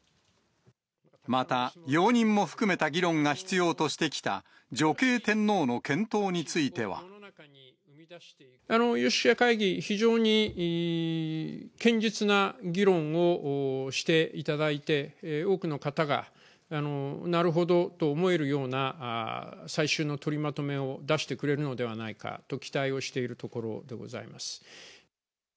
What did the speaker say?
また、容認も含めた議論が必要としてきた、女系天皇の検討については。有識者会議、非常に堅実な議論をしていただいて、多くの方がなるほどと思えるような、最終の取りまとめを出してくれるのではないかと期待をしているところでございます。